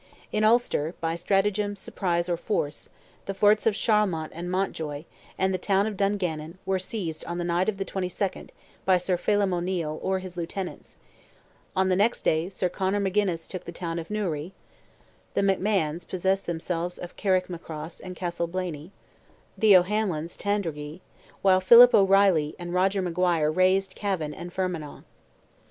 In Ulster, by stratagem, surprise, or force, the forts of Charlemont and Mountjoy, and the town of Dungannon, were seized on the night of the 22nd by Sir Phelim O'Neil or his lieutenants; on the next day Sir Conor Magennis took the town of Newry, the McMahons possessed themselves of Carrickmacross and Castleblaney, the O'Hanlons Tandragee, while Philip O'Reilly and Roger Maguire razed Cavan and Fermanagh.